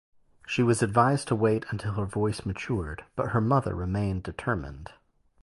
She was advised to wait until her voice matured, but her mother remained determined.